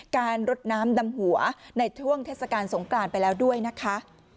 รดน้ำดำหัวในช่วงเทศกาลสงกรานไปแล้วด้วยนะคะ